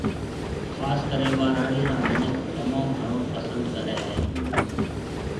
خاص ڪريَ ٻاهراڙِي را منک تموم گھڻون پسند ڪريَ هيَ